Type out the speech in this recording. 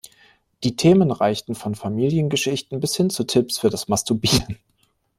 Die Themen reichten von Familiengeschichten bis hin zu Tipps für das Masturbieren.